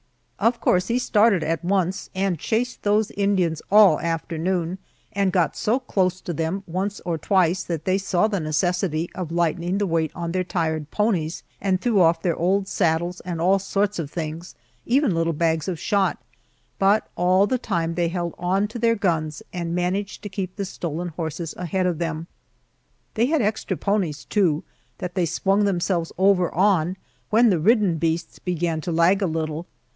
Of course he started at once, and chased those Indians all the afternoon, and got so close to them once or twice that they saw the necessity of lightening the weight on their tired ponies, and threw off their old saddles and all sorts of things, even little bags of shot, but all the time they held on to their guns and managed to keep the stolen horses ahead of them. They had extra ponies, too, that they swung themselves over on when the ridden beasts began to lag a little.